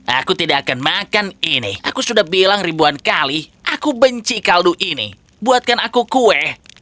aku tidak akan makan ini aku sudah bilang ribuan kali aku benci kaldu ini buatkan aku kue